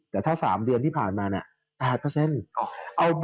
แต่ถ้า๓เดือนที่ผ่านมาเนี่ย๘